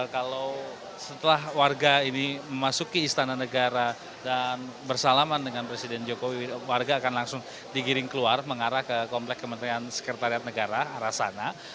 kalau setelah warga ini memasuki istana negara dan bersalaman dengan presiden jokowi warga akan langsung digiring keluar mengarah ke komplek kementerian sekretariat negara arah sana